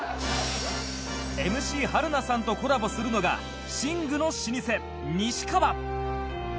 ＭＣ 春菜さんとコラボするのが寝具の老舗西川